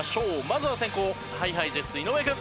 まずは先攻ＨｉＨｉＪｅｔｓ井上君。